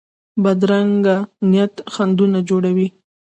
بدرنګه نیت خنډونه جوړوي